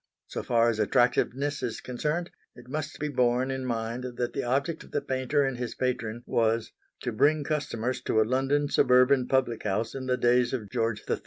So far as attractiveness is concerned, it must be borne in mind that the object of the painter and his patron was to bring customers to a London suburban public house in the days of George III.